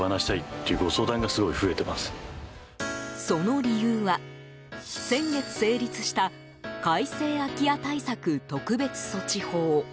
その理由は先月、成立した改正空き家対策特別措置法。